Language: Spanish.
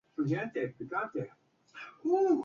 Su encabezamiento fue "periódico de Ideas y de Críticas".